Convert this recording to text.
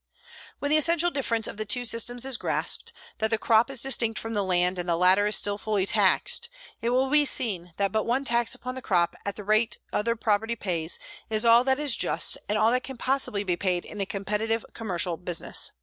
When the essential difference of the two systems Is grasped that the crop is distinct from the land and the latter is still fully taxed it will be seen that but one tax upon the crop, at the rate other property pays, is all that is just and all that can possibly be paid in a competitive commercial business.